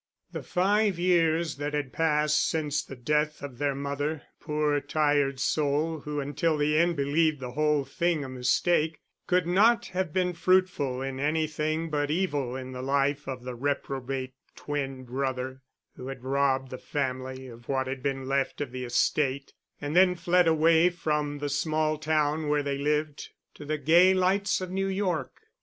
The five years that had passed since the death of their mother—poor, tired soul who until the end believed the whole thing a mistake—could not have been fruitful in anything but evil in the life of the reprobate twin brother who had robbed the family of what had been left of the estate and then fled away from the small town where they lived to the gay lights of New York.